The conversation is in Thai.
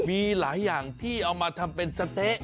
มีหลายอย่างที่เอามาทำเป็นสะเต๊ะ